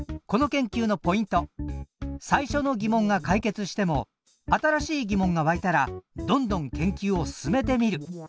最初の疑問が解決しても新しい疑問が湧いたらどんどん研究を進めてみる。